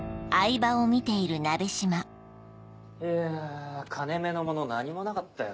いや金目のもの何もなかったよ。